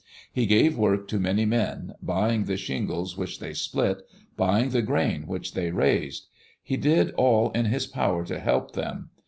He gave work to many men, buying the shingles which they split, buying the grain which they raised. He did all in his power to help them.